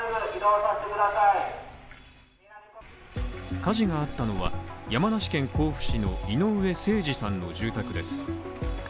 火事があったのは山梨県甲府市の井上盛司さんの住宅です。